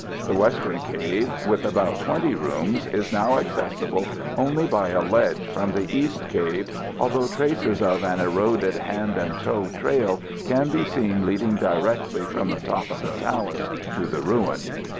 The western cave, with about 20 rooms, is now accessible only by a ledge from the east cave, although traces of an eroded hand and toe trail can be seen leading directly from the top of the talus to the ruin.